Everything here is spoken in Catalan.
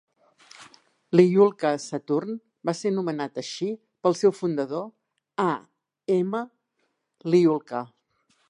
Lyulka-Saturn va ser anomenat així pel seu fundador, A. M. Lyulka.